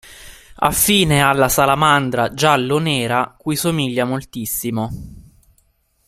Affine alla salamandra giallo-nera cui somiglia moltissimo.